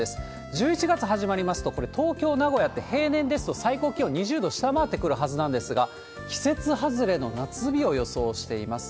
１１月始まりますと、これ、東京、名古屋って平年ですと最高気温２０度下回ってくるはずなんですが、季節外れの夏日を予想しています。